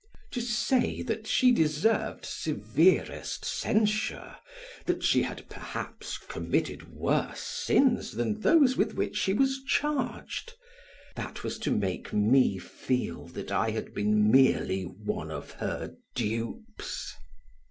To say that she deserved severest censure, that she had perhaps committed worse sins than those with which she was charged, that was to make me feel that I had been merely one of her dupes.